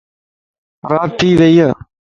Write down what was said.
رات ٿي ويئي